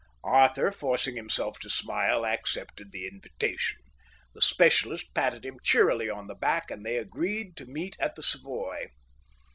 Arthur, forcing himself to smile, accepted the invitation. The specialist patted him cheerily on the back, and they agreed to meet at the Savoy.